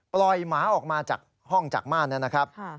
ปล่อยหมาออกมาจากห้องจักรม่านนั้นนะครับ